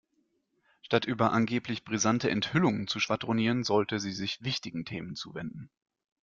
Statt über angeblich brisante Enthüllungen zu schwadronieren, sollte sie sich wichtigen Themen zuwenden.